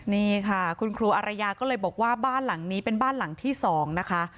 นี่ค่ะคุณครูอารยาก็เลยบอกว่าบ้านหลังนี้เป็นบ้านหลังที่๒นะคะ